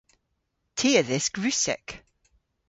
Ty a dhysk Russek.